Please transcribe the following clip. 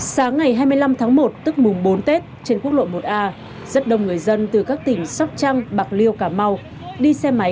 sáng ngày hai mươi năm tháng một tức mùng bốn tết trên quốc lộ một a rất đông người dân từ các tỉnh sóc trăng bạc liêu cà mau đi xe máy